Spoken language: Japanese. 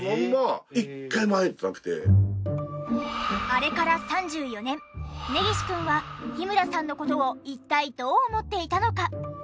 あれから３４年根岸くんは日村さんの事を一体どう思っていたのか？